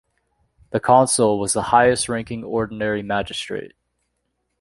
The consul was the highest ranking ordinary magistrate.